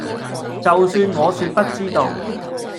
就算我說不知道